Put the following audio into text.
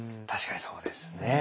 確かにそうですね。